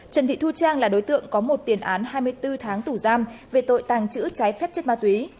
trần thị thu trang là đối tượng có một tiền án hai mươi bốn tháng tù giam về tội tàng trữ trái phép chất ma túy